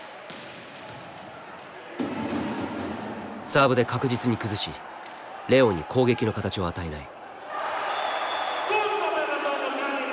サーブで確実に崩しレオンに攻撃の形を与えない。